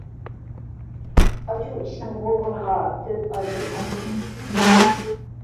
-ئاشۇ ئىشنىڭ بولغىنىغا تۆت ئايدىن ئاشتى.